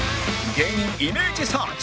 芸人イメージサーチ